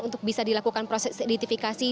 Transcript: untuk bisa dilakukan proses identifikasi